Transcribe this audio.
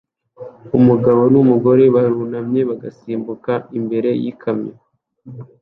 Umugabo numugore barunamye bagasimbuka imbere yikamyo